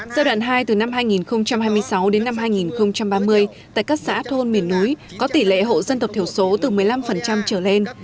giai đoạn hai từ năm hai nghìn hai mươi sáu đến năm hai nghìn ba mươi tại các xã thôn miền núi có tỷ lệ hộ dân tộc thiểu số từ một mươi năm trở lên